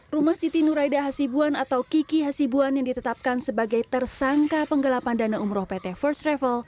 rumah siti nuraida hasibuan atau kiki hasibuan yang ditetapkan sebagai tersangka penggelapan dana umroh pt first travel